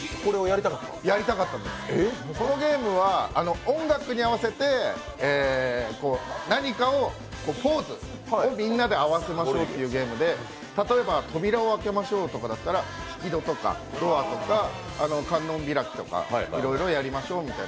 やりたかったんです、このゲームは音楽に合わせて何かをポーズをみんなで合わせましょうというゲームで例えば「扉を開けましょう」とかだったら、引き戸とかドアとか観音開きとか、いろいろやりましょうとか。